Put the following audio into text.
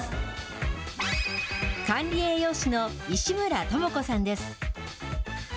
管理栄養士の石村智子さんです。